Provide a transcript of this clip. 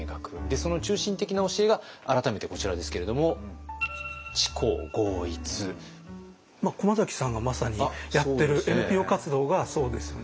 その中心的な教えが改めてこちらですけれども駒崎さんがまさにやってるＮＰＯ活動がそうですよね。